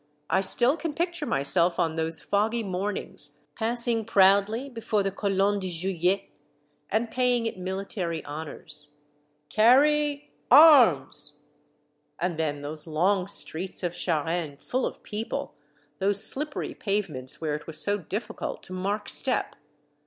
I still can picture myself on those foggy mornings, passing proudly before the Colonne de Juillet, and paying it military honors. " Carry — arms !" And then those long streets of Charenne, full of people, those slippery pavements where it was so difficult to mark step.